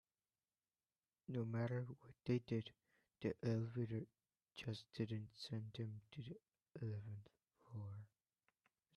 No matter what they did, the elevator just didn't send them to the eleventh floor.